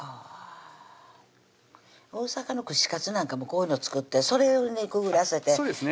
大阪の串かつなんかもこういうの作ってそれにくぐらせてそうですね